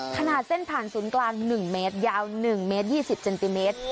ขนาดเส้นผ่านศูนย์กลาง๑เมตรยาว๑เมตร๒๐เซนติเมตร